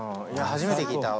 初めて聞いた？